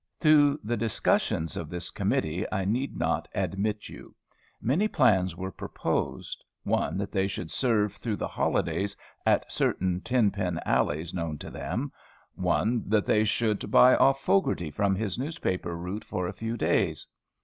To the discussions of this committee I need not admit you. Many plans were proposed: one that they should serve through the holidays at certain ten pin alleys, known to them; one that they should buy off Fogarty from his newspaper route for a few days.